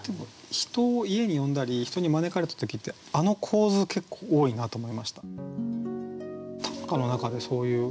人を家に呼んだり人に招かれた時ってあの構図結構多いなと思いました。